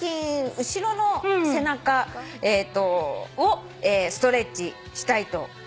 後ろの背中をストレッチしたいと思います。